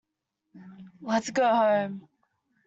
Let's go home.